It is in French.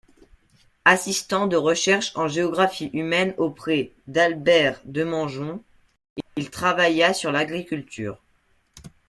Assistant de recherche en géographie humaine auprès d'Albert Demangeon, il travailla sur l'agriculture.